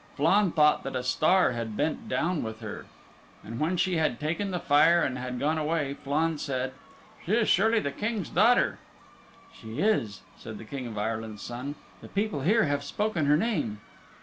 Flann thought that a star had bent down with her. And when she had taken the fire and had gone away, Flann said, "She is surely the King's daughter!" "She is," said the King of Ireland's Son. "The people here have spoken her name."